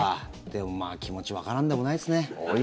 でも、まあ気持ちわからんでもないですね。